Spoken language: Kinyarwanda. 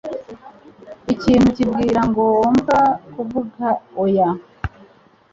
Ikintu kimbwira ngomba kuvuga oya.